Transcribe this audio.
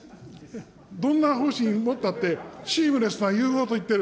どんな方針持ったって、シームレスな融合と言っている。